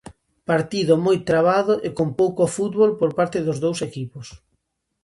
Partido moi trabado e con pouco fútbol por parte dos dous equipos.